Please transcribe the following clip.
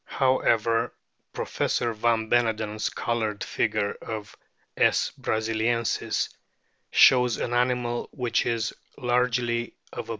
However, Professor van Beneden's coloured figure of S. brasiliensis shows an animal which is largely of a pale brown colour.